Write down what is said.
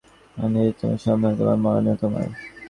আমি যে তোমার, সম্পূর্ণই তোমার– মরণেও তোমার।